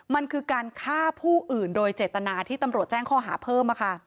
มันคือการฆ่าผู้อื่นโดยเจตนาที่ตำรวจแจ้งข้อหาเพิ่ม